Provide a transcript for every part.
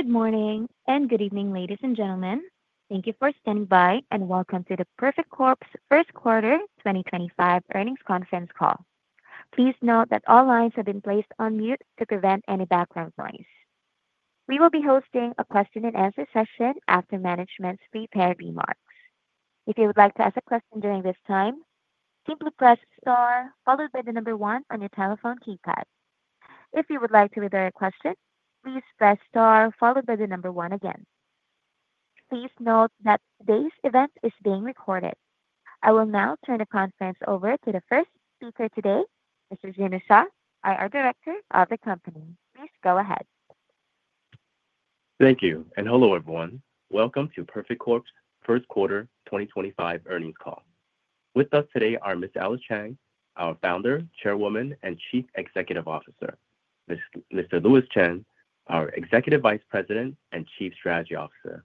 Good morning and good evening, ladies and gentlemen. Thank you for standing by and welcome to the Perfect Corp's First Quarter 2025 Earnings Conference Call. Please note that all lines have been placed on mute to prevent any background noise. We will be hosting a question-and-answer session after management's prepared remarks. If you would like to ask a question during this time, simply press star followed by the number one on your telephone keypad. If you would like to withdraw your question, please press star followed by the number one again. Please note that today's event is being recorded. I will now turn the conference over to the first speaker today. This is Jimmy Xia, IR Director of the company. Please go ahead. Thank you and hello everyone. Welcome to Perfect Corp's first quarter 2025 earnings call. With us today are Ms. Alice Chang, our Founder, Chairwoman, and Chief Executive Officer; Mr. Louis Chen, our Executive Vice President and Chief Strategy Officer;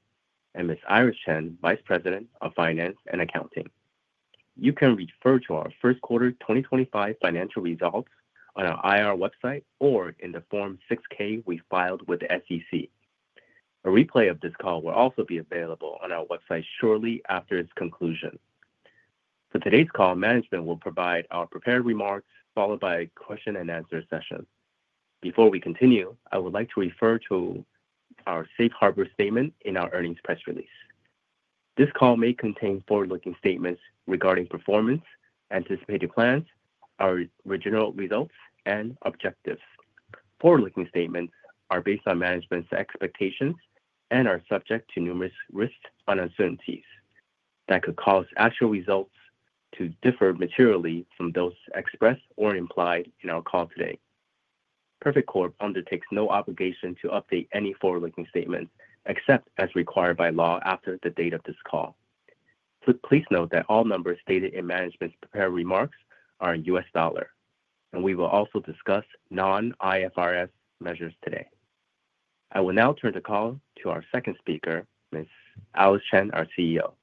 and Ms. Iris Chen, Vice President of Finance and Accounting. You can refer to our first quarter 2025 financial results on our IR website or in the Form 6K we filed with the SEC. A replay of this call will also be available on our website shortly after its conclusion. For today's call, management will provide our prepared remarks followed by a question-and-answer session. Before we continue, I would like to refer to our Safe Harbor statement in our earnings press release. This call may contain forward-looking statements regarding performance, anticipated plans, our original results, and objectives. Forward-looking statements are based on management's expectations and are subject to numerous risks and uncertainties that could cause actual results to differ materially from those expressed or implied in our call today. Perfect Corp undertakes no obligation to update any forward-looking statements except as required by law after the date of this call. Please note that all numbers stated in management's prepared remarks are in U.S. dollar, and we will also discuss non-IFRS measures today. I will now turn the call to our second speaker, Ms. Alice Chang, our CEO.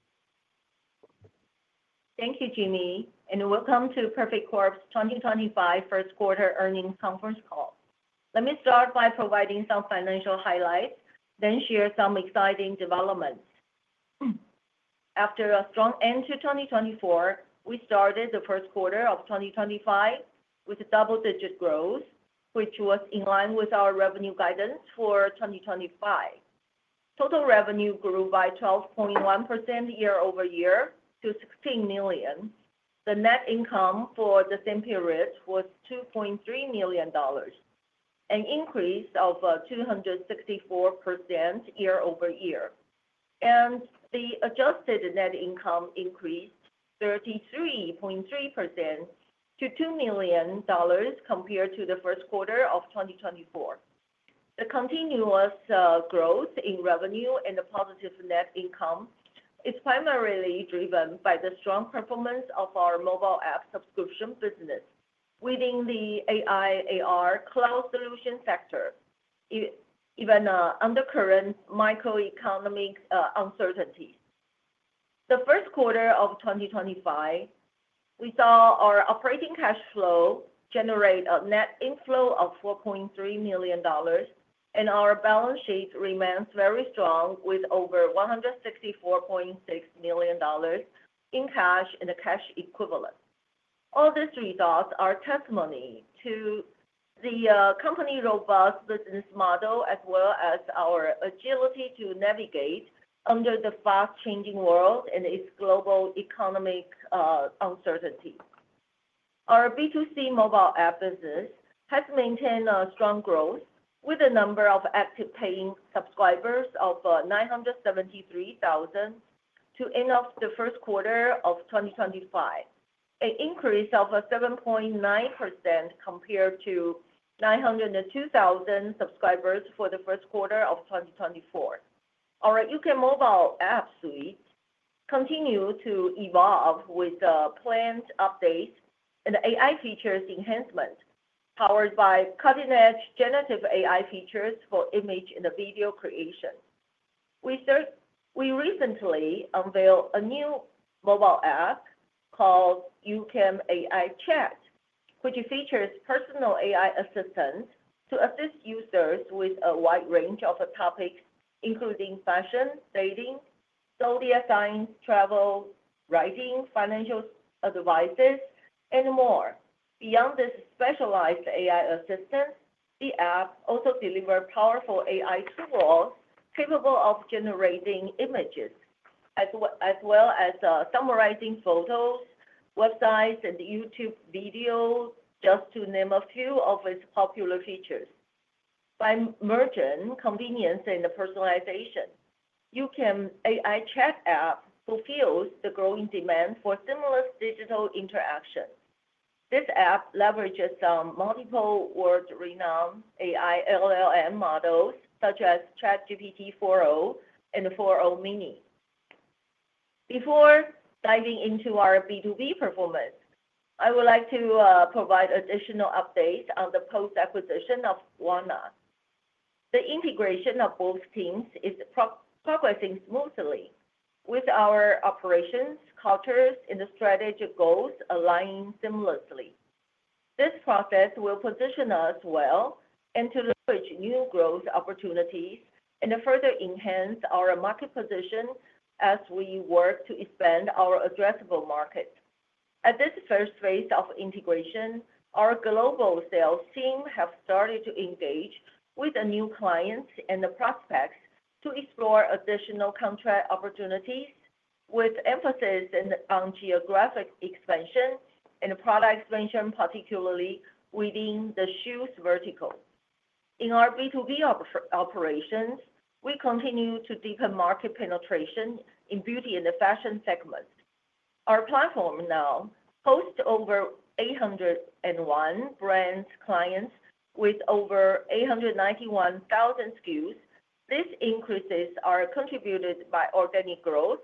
Thank you, Jimmy, and welcome to Perfect Corp's 2025 First Quarter Earnings Conference Call. Let me start by providing some financial highlights, then share some exciting developments. After a strong end to 2024, we started the first quarter of 2025 with double-digit growth, which was in line with our revenue guidance for 2025. Total revenue grew by 12.1% year over year to $16 million. The net income for the same period was $2.3 million, an increase of 264% year over year. The adjusted net income increased 33.3% to $2 million compared to the first quarter of 2024. The continuous growth in revenue and the positive net income is primarily driven by the strong performance of our mobile app subscription business within the AI/AR cloud solution sector, even under current microeconomic uncertainties. The first quarter of 2025, we saw our operating cash flow generate a net inflow of $4.3 million, and our balance sheet remains very strong with over $164.6 million in cash and the cash equivalent. All these results are testimony to the company's robust business model as well as our agility to navigate under the fast-changing world and its global economic uncertainty. Our B2C mobile app business has maintained strong growth with a number of active paying subscribers of 973,000 to end of the first quarter of 2025, an increase of 7.9% compared to 902,000 subscribers for the first quarter of 2024. Our YouCam mobile app suite continues to evolve with planned updates and AI features enhancement powered by cutting-edge generative AI features for image and video creation. We recently unveiled a new mobile app called YouCam AI Chat, which features personal AI assistants to assist users with a wide range of topics, including fashion, dating, social science, travel, writing, financial advice, and more. Beyond this specialized AI assistance, the app also delivers powerful AI tools capable of generating images as well as summarizing photos, websites, and YouTube videos, just to name a few of its popular features. By merging convenience and personalization, YouCam AI Chat app fulfills the growing demand for seamless digital interaction. This app leverages multiple world-renowned AI LLM models such as ChatGPT 4o and 4o mini. Before diving into our B2B performance, I would like to provide additional updates on the post-acquisition of WANNA. The integration of both teams is progressing smoothly, with our operations, cultures, and strategic goals aligning seamlessly. This process will position us well to leverage new growth opportunities and further enhance our market position as we work to expand our addressable market. At this first phase of integration, our global sales team has started to engage with new clients and prospects to explore additional contract opportunities, with emphasis on geographic expansion and product expansion, particularly within the shoes vertical. In our B2B operations, we continue to deepen market penetration in beauty and fashion segments. Our platform now hosts over 801 brand clients with over 891,000 SKUs. This increase is contributed by organic growth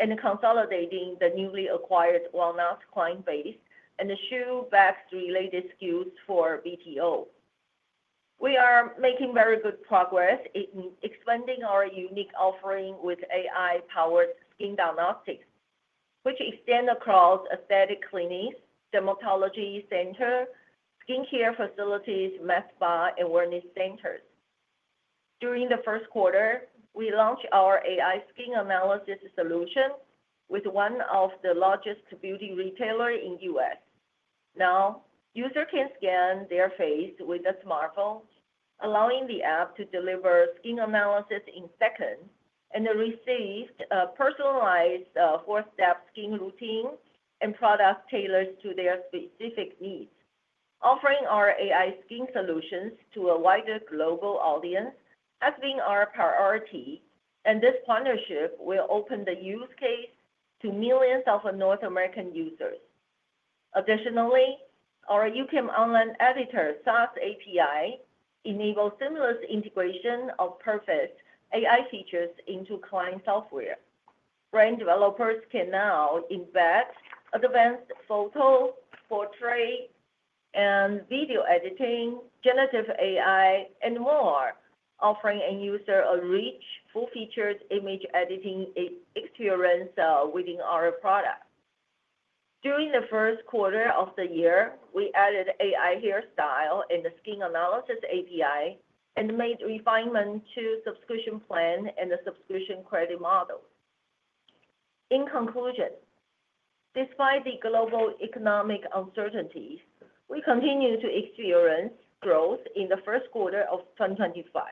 and consolidating the newly acquired WANNA client base and the shoe, bags related SKUs for VTO. We are making very good progress in expanding our unique offering with AI-powered skin diagnostics, which extend across aesthetic clinics, dermatology centers, skincare facilities, med spa, and wellness centers. During the first quarter, we launched our AI skin analysis solution with one of the largest beauty retailers in the U.S. Now, users can scan their face with a smartphone, allowing the app to deliver skin analysis in seconds, and receive a personalized four-step skin routine and product tailored to their specific needs. Offering our AI skin solutions to a wider global audience has been our priority, and this partnership will open the use case to millions of North American users. Additionally, our YouCam Online editor SaaS API enables seamless integration of Perfect AI features into client software. Brand developers can now embed advanced photo, portrait, and video editing, generative AI, and more, offering a user a rich, full-featured image editing experience within our product. During the first quarter of the year, we added AI hairstyle and skin analysis API and made refinements to the subscription plan and the subscription credit model. In conclusion, despite the global economic uncertainties, we continue to experience growth in the first quarter of 2025,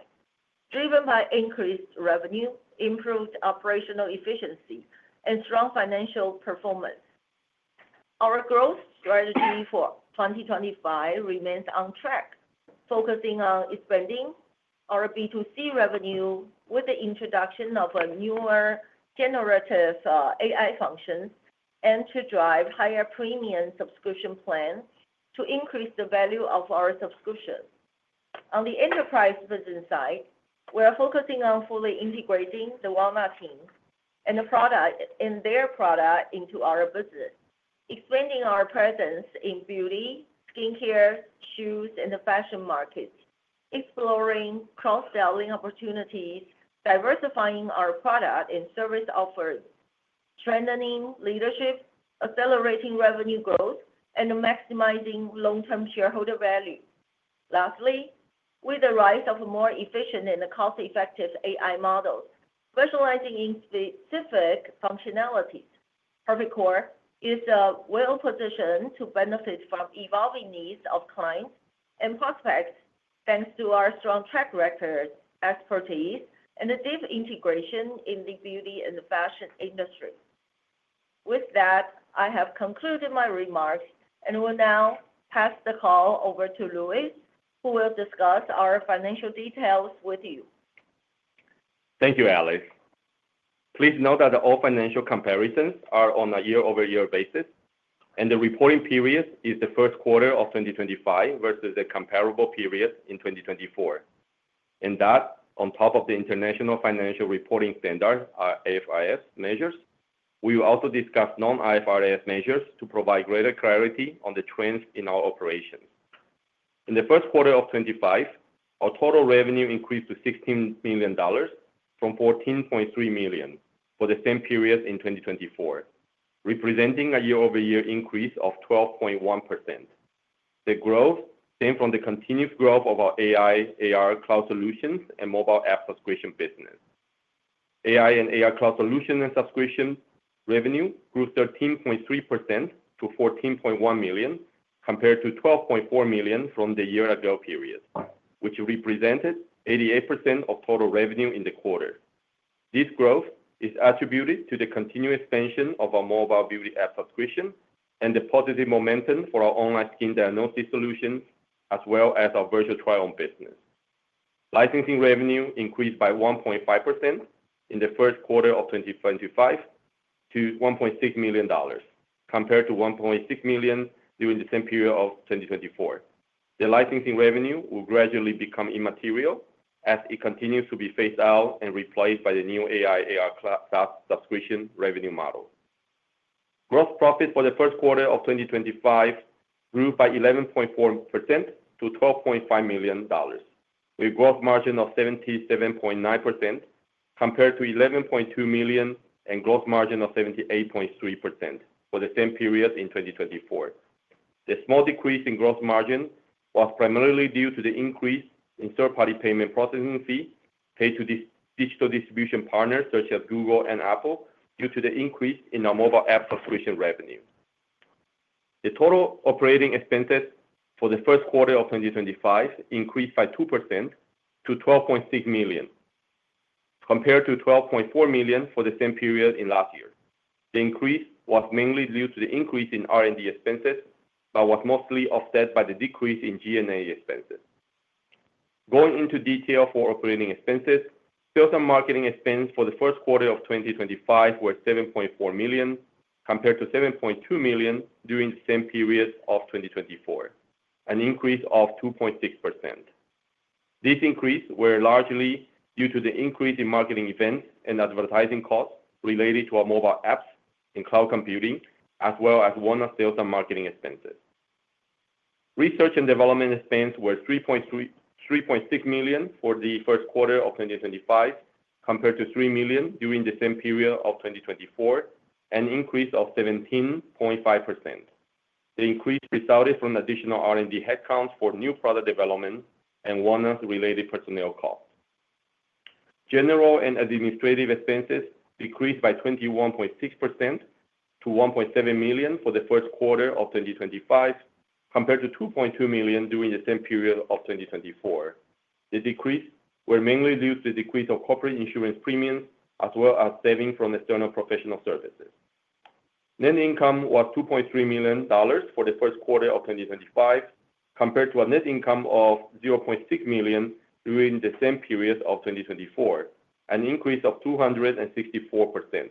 driven by increased revenue, improved operational efficiency, and strong financial performance. Our growth strategy for 2025 remains on track, focusing on expanding our B2C revenue with the introduction of newer generative AI functions and to drive higher premium subscription plans to increase the value of our subscription. On the enterprise business side, we are focusing on fully integrating the WANNA team and their product into our business, expanding our presence in beauty, skincare, shoes, and the fashion market, exploring cross-selling opportunities, diversifying our product and service offerings, strengthening leadership, accelerating revenue growth, and maximizing long-term shareholder value. Lastly, with the rise of more efficient and cost-effective AI models specializing in specific functionalities, Perfect Corp is well-positioned to benefit from evolving needs of clients and prospects thanks to our strong track record, expertise, and deep integration in the beauty and fashion industry. With that, I have concluded my remarks and will now pass the call over to Louis, who will discuss our financial details with you. Thank you, Alice. Please note that all financial comparisons are on a year-over-year basis, and the reporting period is the first quarter of 2025 versus a comparable period in 2024. On top of the International Financial Reporting Standard, IFRS measures, we will also discuss non-IFRS measures to provide greater clarity on the trends in our operations. In the first quarter of 2025, our total revenue increased to $16 million from $14.3 million for the same period in 2024, representing a year-over-year increase of 12.1%. The growth came from the continuous growth of our AI/AR cloud solutions and mobile app subscription business. AI and AR cloud solution and subscription revenue grew 13.3% to $14.1 million compared to $12.4 million from the year-ago period, which represented 88% of total revenue in the quarter. This growth is attributed to the continued expansion of our mobile beauty app subscription and the positive momentum for our online skin diagnosis solutions as well as our virtual trial business. Licensing revenue increased by 1.5% in the first quarter of 2025 to $1.6 million compared to $1.6 million during the same period of 2024. The licensing revenue will gradually become immaterial as it continues to be phased out and replaced by the new AI/AR cloud subscription revenue model. Gross profit for the first quarter of 2025 grew by 11.4% to $12.5 million, with a gross margin of 77.9% compared to $11.2 million and a gross margin of 78.3% for the same period in 2024. The small decrease in gross margin was primarily due to the increase in third-party payment processing fees paid to digital distribution partners such as Google and Apple due to the increase in our mobile app subscription revenue. The total operating expenses for the first quarter of 2025 increased by 2% to $12.6 million compared to $12.4 million for the same period in last year. The increase was mainly due to the increase in R&D expenses but was mostly offset by the decrease in G&A expenses. Going into detail for operating expenses, sales and marketing expenses for the first quarter of 2025 were $7.4 million compared to $7.2 million during the same period of 2024, an increase of 2.6%. This increase was largely due to the increase in marketing events and advertising costs related to our mobile apps and cloud computing, as well as WANNA sales and marketing expenses. Research and development expenses were $3.6 million for the first quarter of 2025 compared to $3 million during the same period of 2024, an increase of 17.5%. The increase resulted from additional R&D headcounts for new product development and one-off related personnel costs. General and administrative expenses decreased by 21.6% to $1.7 million for the first quarter of 2025 compared to $2.2 million during the same period of 2024. The decreases were mainly due to the decrease of corporate insurance premiums as well as savings from external professional services. Net income was $2.3 million for the first quarter of 2025 compared to a net income of $0.6 million during the same period of 2024, an increase of 264%.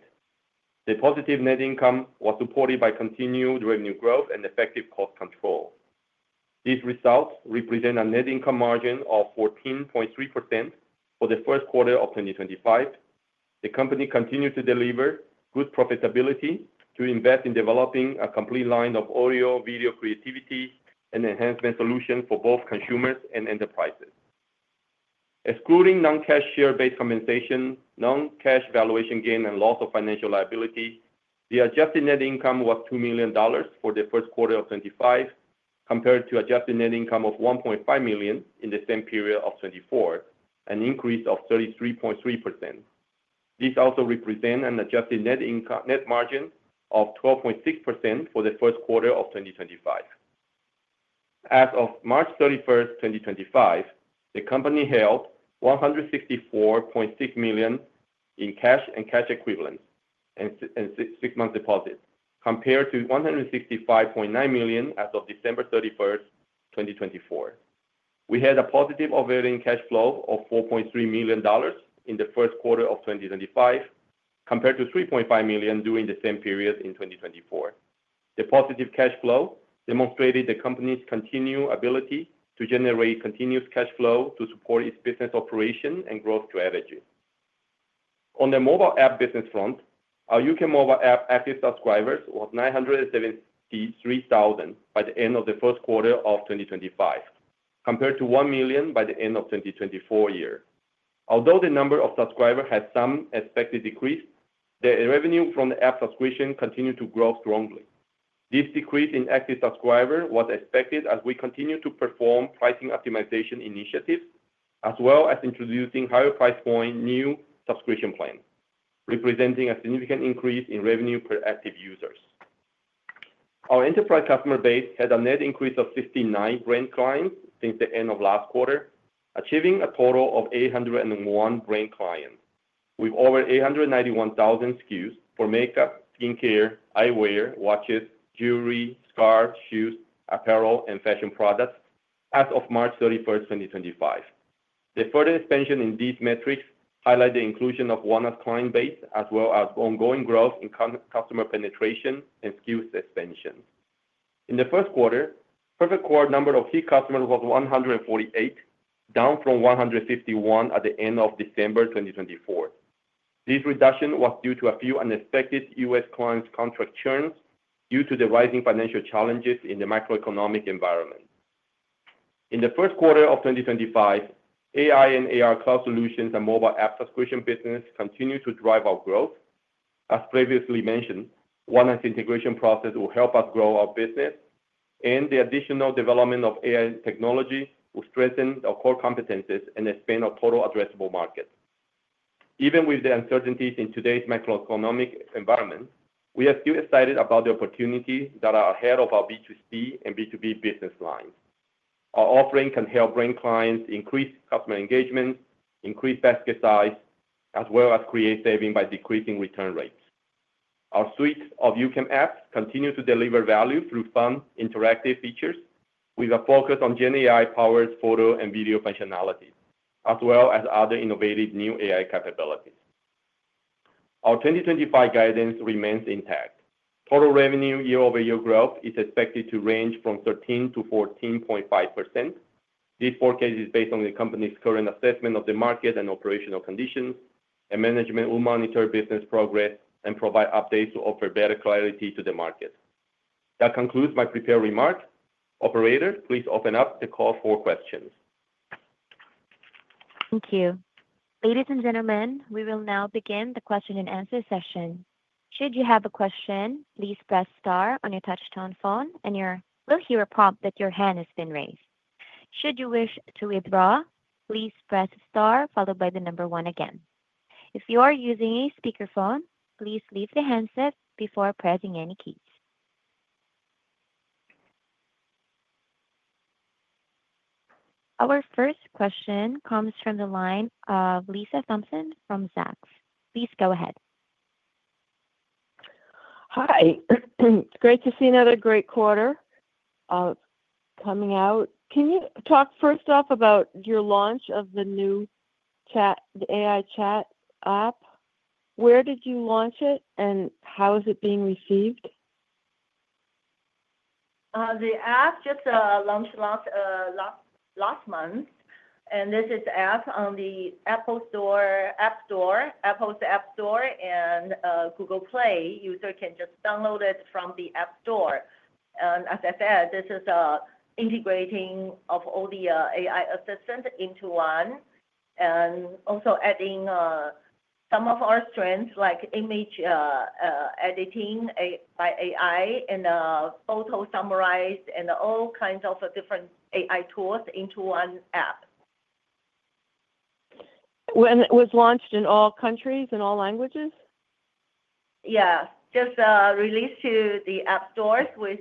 The positive net income was supported by continued revenue growth and effective cost control. These results represent a net income margin of 14.3% for the first quarter of 2025. The company continues to deliver good profitability to invest in developing a complete line of audio, video creativity, and enhancement solutions for both consumers and enterprises. Excluding non-cash share-based compensation, non-cash valuation gain, and loss of financial liability, the adjusted net income was $2 million for the first quarter of 2025 compared to adjusted net income of $1.5 million in the same period of 2024, an increase of 33.3%. This also represents an adjusted net margin of 12.6% for the first quarter of 2025. As of March 31, 2025, the company held $164.6 million in cash and cash equivalents and six-month deposits compared to $165.9 million as of December 31, 2024. We had a positive overhead and cash flow of $4.3 million in the first quarter of 2025 compared to $3.5 million during the same period in 2024. The positive cash flow demonstrated the company's continued ability to generate continuous cash flow to support its business operation and growth strategy. On the mobile app business front, our YouCam mobile app active subscribers were 973,000 by the end of the first quarter of 2025, compared to 1 million by the end of the 2024 year. Although the number of subscribers has some expected decrease, the revenue from the app subscription continued to grow strongly. This decrease in active subscribers was expected as we continue to perform pricing optimization initiatives as well as introducing higher price point new subscription plans, representing a significant increase in revenue per active users. Our enterprise customer base has a net increase of 59 brand clients since the end of last quarter, achieving a total of 801 brand clients. We've over 891,000 SKUs for makeup, skincare, eyewear, watches, jewelry, scarves, shoes, apparel, and fashion products as of March 31, 2025. The further expansion in these metrics highlights the inclusion of WANNA's client base as well as ongoing growth in customer penetration and SKUs expansion. In the first quarter, Perfect Corp's number of key customers was 148, down from 151 at the end of December 2024. This reduction was due to a few unexpected U.S. clients' contract churns due to the rising financial challenges in the macroeconomic environment. In the first quarter of 2025, AI and AR cloud solutions and mobile app subscription business continue to drive our growth. As previously mentioned, WANNA's integration process will help us grow our business, and the additional development of AI technology will strengthen our core competencies and expand our total addressable market. Even with the uncertainties in today's macroeconomic environment, we are still excited about the opportunities that are ahead of our B2C and B2B business lines. Our offering can help bring clients increased customer engagement, increased basket size, as well as create savings by decreasing return rates. Our suite of YouCam apps continues to deliver value through fun interactive features with a focus on GenAI-powered photo and video functionalities, as well as other innovative new AI capabilities. Our 2025 guidance remains intact. Total revenue year-over-year growth is expected to range from 13%-14.5%. This forecast is based on the company's current assessment of the market and operational conditions, and management will monitor business progress and provide updates to offer better clarity to the market. That concludes my prepared remarks. Operators, please open up the call for questions. Thank you. Ladies and gentlemen, we will now begin the question-and-answer session. Should you have a question, please press star on your touch-tone phone, and you will hear a prompt that your hand has been raised. Should you wish to withdraw, please press star followed by the number one again. If you are using a speakerphone, please leave the handset before pressing any keys. Our first question comes from the line of Lisa Thompson from Zacks. Please go ahead. Hi. It's great to see another great quarter coming out. Can you talk first off about your launch of the new AI chat app? Where did you launch it, and how is it being received? The app just launched last month, and this is the app on the App Store, Apple's App Store, and Google Play. Users can just download it from the App Store. As I said, this is an integration of all the AI assistants into one and also adding some of our strengths like image editing by AI and photo summarize and all kinds of different AI tools into one app. When was it launched in all countries and all languages? Yeah. Just released to the App Stores with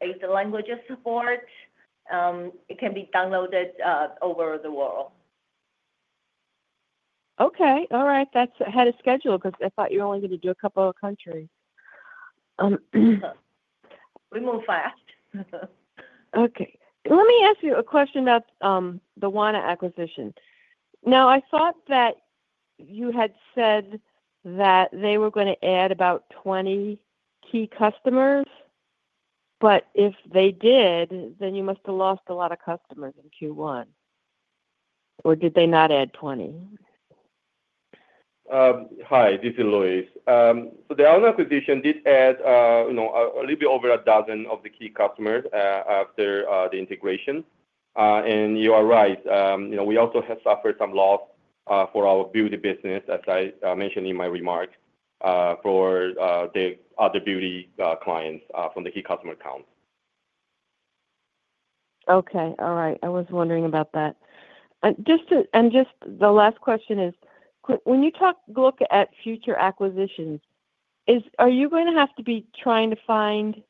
eight languages support. It can be downloaded over the world. Okay. All right. That's ahead of schedule because I thought you were only going to do a couple of countries. We move fast. Okay. Let me ask you a question about the WANNA acquisition. Now, I thought that you had said that they were going to add about 20 key customers, but if they did, then you must have lost a lot of customers in Q1. Or did they not add 20? Hi. This is Louis. The WANNA acquisition did add a little bit over a dozen of the key customers after the integration. You are right. We also have suffered some loss for our beauty business, as I mentioned in my remarks, for the other beauty clients from the key customer accounts. Okay. All right. I was wondering about that. Just the last question is, when you look at future acquisitions, are you going to have to be trying to find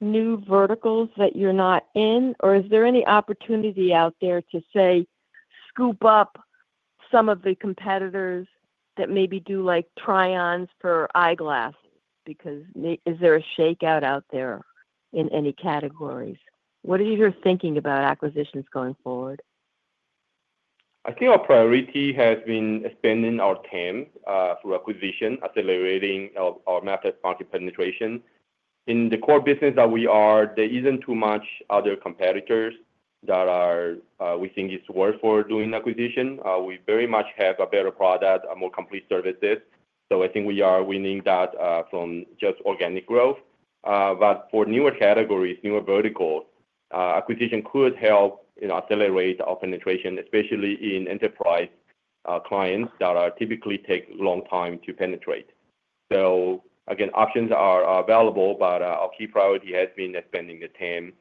new verticals that you're not in, or is there any opportunity out there to, say, scoop up some of the competitors that maybe do like try-ons for eyeglasses? Because is there a shakeout out there in any categories? What are your thinking about acquisitions going forward? I think our priority has been spending our time through acquisition, accelerating our market penetration. In the core business that we are, there isn't too much other competitors that we think it's worth doing acquisition. We very much have a better product, a more complete service. I think we are winning that from just organic growth. For newer categories, newer verticals, acquisition could help accelerate our penetration, especially in enterprise clients that typically take a long time to penetrate. Options are available, but our key priority has been spending the time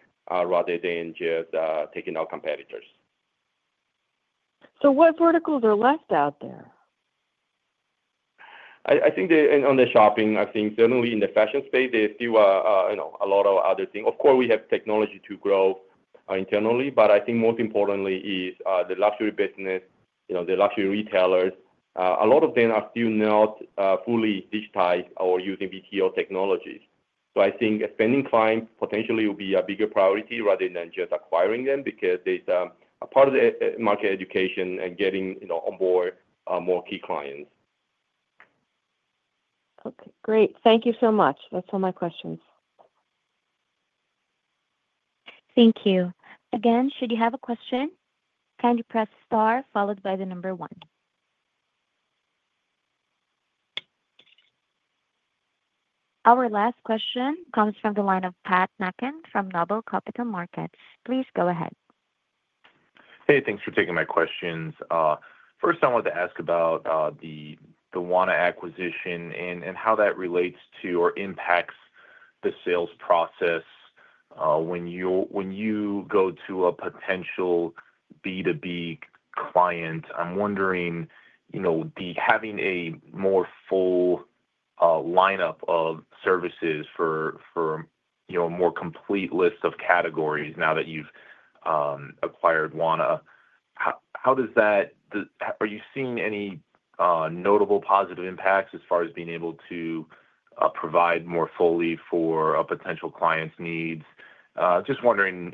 rather than just taking out competitors. What verticals are left out there? I think on the shopping, I think certainly in the fashion space, there's still a lot of other things. Of course, we have technology to grow internally, but I think most importantly is the luxury business, the luxury retailers. A lot of them are still not fully digitized or using VTO technologies. I think spending time potentially will be a bigger priority rather than just acquiring them because it's a part of the market education and getting on board more key clients. Okay. Great. Thank you so much. That's all my questions. Thank you. Again, should you have a question, kindly press star followed by the number one. Our last question comes from the line of Pat McCann from Noble Capital Markets. Please go ahead. Hey, thanks for taking my questions. First, I wanted to ask about the WANNA acquisition and how that relates to or impacts the sales process. When you go to a potential B2B client, I'm wondering, having a more full lineup of services for a more complete list of categories now that you've acquired WANNA, how does that—are you seeing any notable positive impacts as far as being able to provide more fully for a potential client's needs? Just wondering,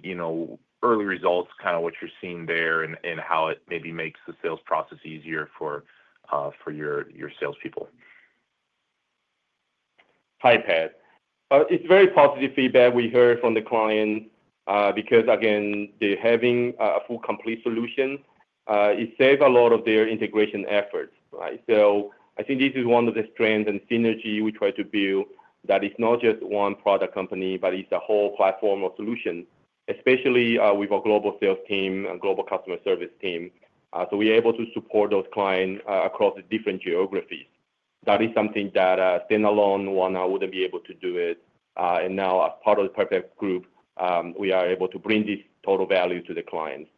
early results, kind of what you're seeing there and how it maybe makes the sales process easier for your salespeople. Hi, Pat. It's very positive feedback we heard from the client because, again, they're having a full complete solution. It saves a lot of their integration efforts, right? I think this is one of the strengths and synergy we try to build that is not just one product company, but it's a whole platform or solution, especially with our global sales team and global customer service team. We're able to support those clients across different geographies. That is something that, stand alone, WANNA wouldn't be able to do. Now, as part of the Perfect Corp Group, we are able to bring this total value to the clients.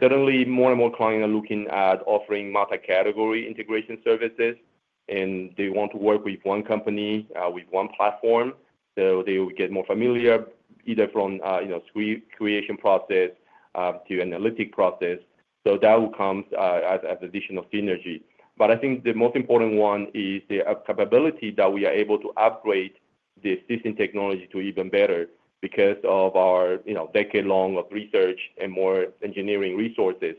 Certainly, more and more clients are looking at offering multi-category integration services, and they want to work with one company, with one platform. They will get more familiar, either from the screen creation process to analytic process. That will come as additional synergy. I think the most important one is the capability that we are able to upgrade the existing technology to even better because of our decade-long research and more engineering resources.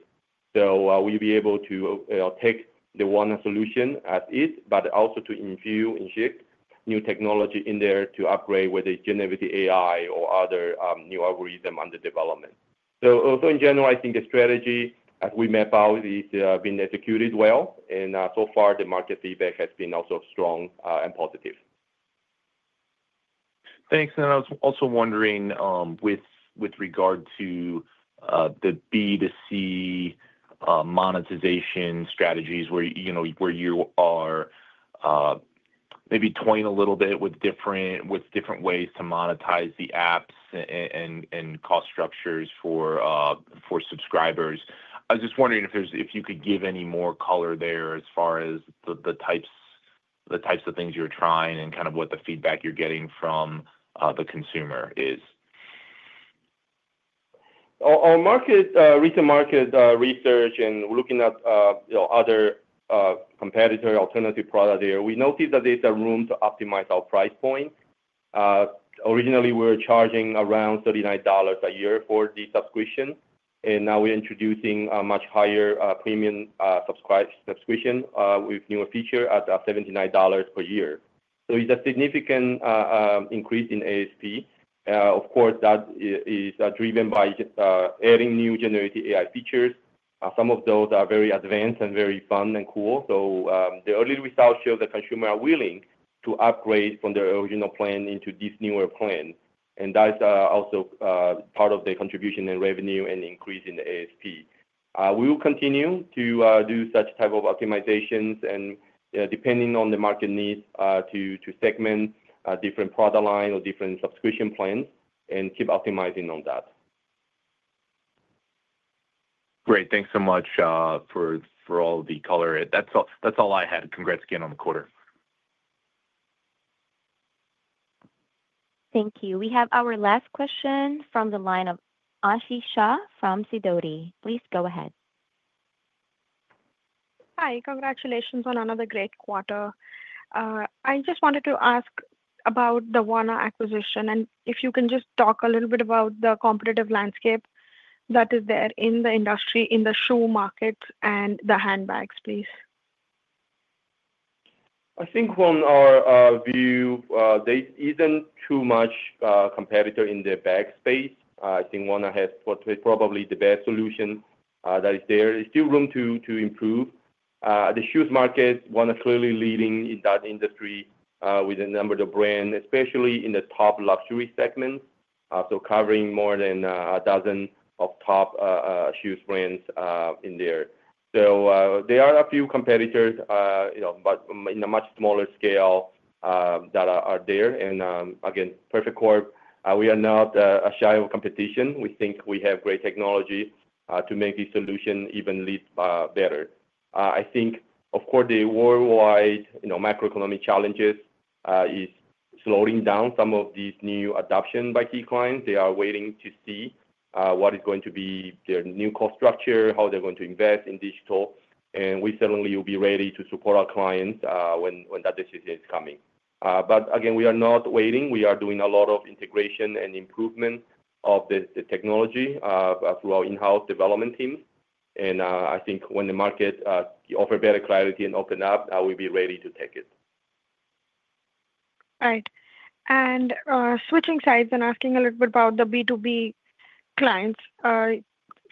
We will be able to take the WANNA solution as is, but also to infuse and shift new technology in there to upgrade whether it is generative AI or other new algorithms under development. In general, I think the strategy that we map out has been executed well. So far, the market feedback has been also strong and positive. Thanks. I was also wondering, with regard to the B2C monetization strategies where you are maybe toying a little bit with different ways to monetize the apps and cost structures for subscribers, I was just wondering if you could give any more color there as far as the types of things you're trying and kind of what the feedback you're getting from the consumer is. Our recent market research and looking at other competitor alternative products there, we noticed that there's a room to optimize our price point. Originally, we were charging around $39 a year for the subscription, and now we're introducing a much higher premium subscription with newer features at $79 per year. It is a significant increase in ASP. Of course, that is driven by adding new generative AI features. Some of those are very advanced and very fun and cool. The early results show the consumer are willing to upgrade from their original plan into this newer plan. That is also part of the contribution in revenue and increase in the ASP. We will continue to do such type of optimizations and, depending on the market needs, to segment different product lines or different subscription plans and keep optimizing on that. Great. Thanks so much for all the color in. That's all I had. Congrats again on the quarter. Thank you. We have our last question from the line of Aashi Shah from Sidoti. Please go ahead. Hi. Congratulations on another great quarter. I just wanted to ask about the WANNA acquisition and if you can just talk a little bit about the competitive landscape that is there in the industry, in the shoe market and the handbags, please. I think from our view, there isn't too much competitor in the bag space. I think WANNA has probably the best solution that is there. There's still room to improve. The shoes market, WANNA is clearly leading in that industry with a number of brands, especially in the top luxury segments, covering more than a dozen top shoes brands in there. There are a few competitors, but in a much smaller scale that are there. Again, Perfect Corp, we are not a shy of competition. We think we have great technology to make this solution even better. I think, of course, the worldwide macroeconomic challenges are slowing down some of these new adoptions by key clients. They are waiting to see what is going to be their new cost structure, how they're going to invest in digital. We certainly will be ready to support our clients when that decision is coming. Again, we are not waiting. We are doing a lot of integration and improvement of the technology through our in-house development teams. I think when the market offers better clarity and opens up, we'll be ready to take it. All right. Switching sides and asking a little bit about the B2B clients,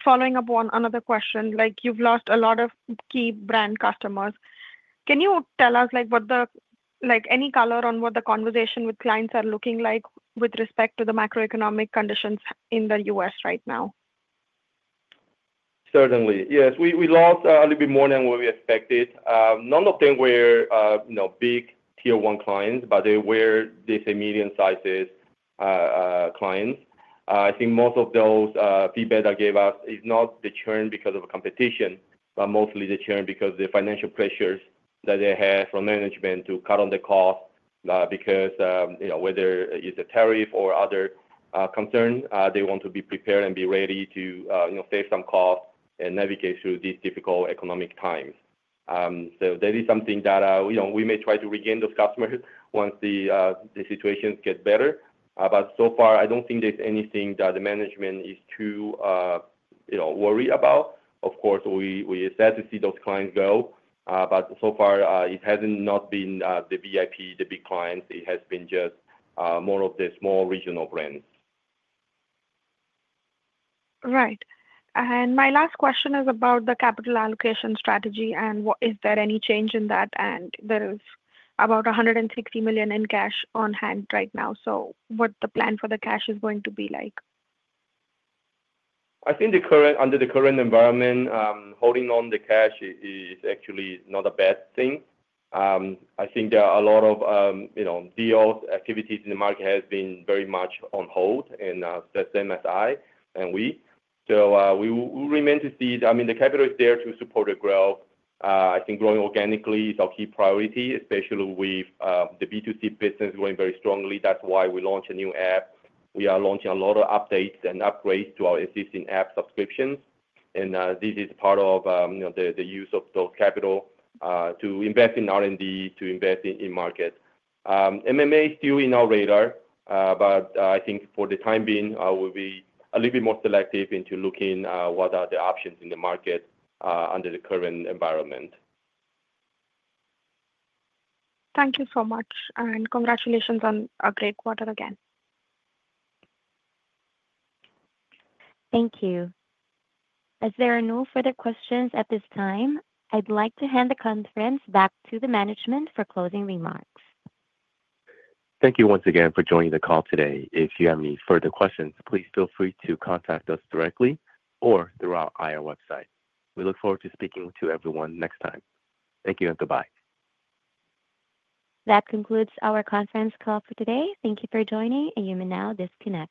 following up on another question, you've lost a lot of key brand customers. Can you tell us what the color on what the conversation with clients is looking like with respect to the macroeconomic conditions in the U.S. right now? Certainly. Yes. We lost a little bit more than what we expected. None of them were big tier-one clients, but they were these medium-sized clients. I think most of those feedback that gave us is not the churn because of competition, but mostly the churn because of the financial pressures that they have from management to cut on the cost because whether it's a tariff or other concerns, they want to be prepared and be ready to save some costs and navigate through these difficult economic times. That is something that we may try to regain those customers once the situation gets better. So far, I don't think there's anything that the management is too worried about. Of course, we are sad to see those clients go, but so far, it hasn't been the VIP, the big clients. It has been just more of the small regional brands. All right. My last question is about the capital allocation strategy and is there any change in that? There is about $160 million in cash on hand right now. What is the plan for the cash going to be like? I think under the current environment, holding on the cash is actually not a bad thing. I think there are a lot of deals, activities in the market have been very much on hold, and the same as I and we. We remain to see. I mean, the capital is there to support the growth. I think growing organically is our key priority, especially with the B2C business going very strongly. That is why we launched a new app. We are launching a lot of updates and upgrades to our existing app subscriptions. This is part of the use of those capital to invest in R&D, to invest in market. M&A is still in our radar, but I think for the time being, we will be a little bit more selective into looking at what are the options in the market under the current environment. Thank you so much. Congratulations on a great quarter again. Thank you. As there are no further questions at this time, I'd like to hand the conference back to the management for closing remarks. Thank you once again for joining the call today. If you have any further questions, please feel free to contact us directly or through our IR website. We look forward to speaking to everyone next time. Thank you and goodbye. That concludes our conference call for today. Thank you for joining, and you may now disconnect.